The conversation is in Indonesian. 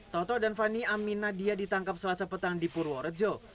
toto dan fani aminadia ditangkap selasa petang di purworejo